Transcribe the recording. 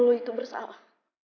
kalo lo itu bersalah